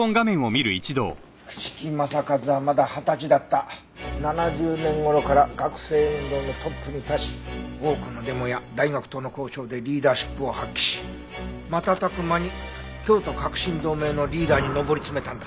朽木政一はまだ二十歳だった７０年頃から学生運動のトップに立ち多くのデモや大学との交渉でリーダーシップを発揮し瞬く間に京都革新同盟のリーダーに上り詰めたんだ。